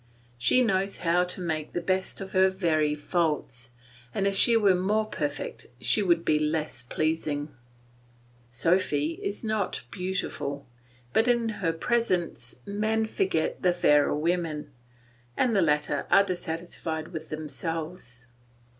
She knows how to make the best of her very faults, and if she were more perfect she would be less pleasing. Sophy is not beautiful; but in her presence men forget the fairer women, and the latter are dissatisfied with themselves.